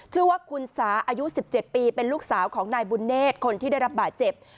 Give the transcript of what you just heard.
ชื่อว่าคุณสาอายุ๑๗ปีเป็นลูกสาวของนายบุญเนธคนที่ได้รับบาดเจ็บ